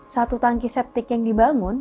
satu tangki septik yang dibangun